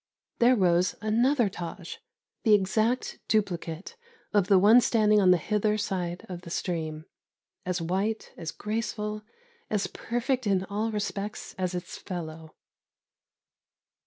There rose another Tâj! the exact duplicate of the one standing on the hither side of the stream, as white, as graceful, as perfect in all respects as its fellow.